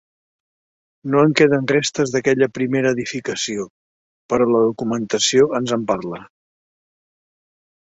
No en queden restes d'aquesta primera edificació, però la documentació ens en parla.